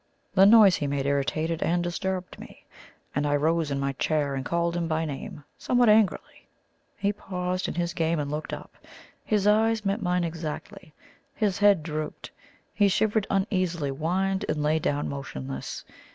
The noise he made irritated and disturbed me, and I rose in my chair and called him by name, somewhat angrily. He paused in his game and looked up his eyes met mine exactly. His head drooped; he shivered uneasily, whined, and lay down motionless.